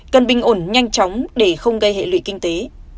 cần bình ổn nhanh chóng để không gây hệ lụy kinh tế